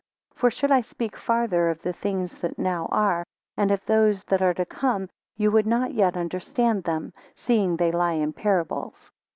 2 For should I speak farther of the things that now are, and of those that are to come, you would not yet understand them, seeing they lie in parables.